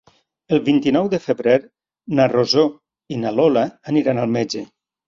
El vint-i-nou de febrer na Rosó i na Lola aniran al metge.